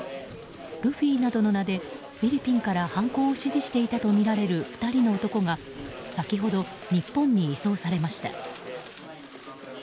ルフィなどの名でフィリピンから犯行を指示していたとみられる２人の男が先ほど日本に移送されました。